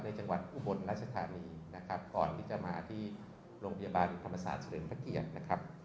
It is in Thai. จังหวัดอุบลรัชธานีนะครับก่อนที่จะมาที่โรงพยาบาลธรรมศาสตร์เฉลิมพระเกียรตินะครับ